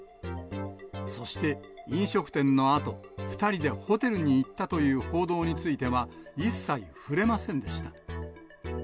そして、飲食店のあと、２人でホテルに行ったという報道については、一切触れませんでした。